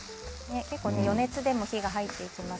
余熱でも火が入っていきます。